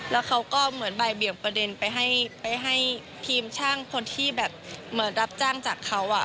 แล้วเขาก็เหมือนบ่ายเบี่ยงประเด็นไปให้ทีมช่างคนที่แบบเหมือนรับจ้างจากเขา